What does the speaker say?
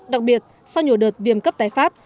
đặc biệt sau nhiều đợt viêm cấp tái phát